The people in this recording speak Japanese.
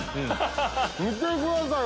見てください！